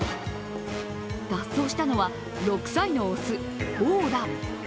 脱走したのは、６歳の雄、ホウラン。